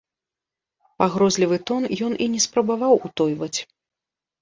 Пагрозлівы тон ён і не спрабаваў утойваць.